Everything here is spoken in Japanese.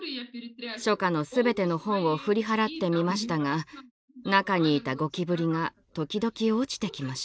書架のすべての本を振り払ってみましたが中にいたゴキブリが時々落ちてきました。